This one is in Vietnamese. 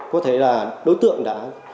có thể là đối tượng đã